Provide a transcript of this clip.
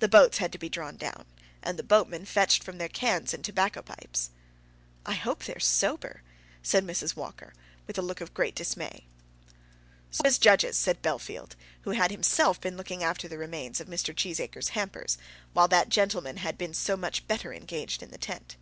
The boats had to be drawn down, and the boatmen fetched from their cans and tobacco pipes. "I hope they're sober," said Mrs. Walker, with a look of great dismay. "Sober as judges," said Bellfield, who had himself been looking after the remains of Mr. Cheesacre's hampers, while that gentleman had been so much better engaged in the tent.